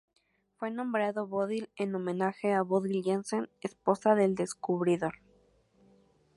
Fue nombrado Bodil en homenaje a "Bodil Jensen", esposa del descubridor.